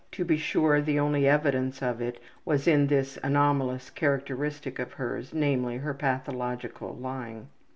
To be sure, the only evidence of it was in this anomalous characteristic of hers, namely, her pathological lying.